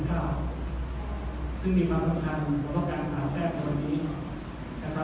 เก้าซึ่งมีความสำคัญหลวงวาชการสามแรกในวันนี้นะครับ